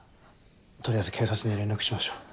とりあえず警察に連絡しましょう